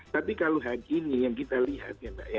tapi kalau hari ini yang kita lihat ya mbak ya